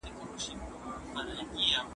هغه وویل چې خلک ستړي دي.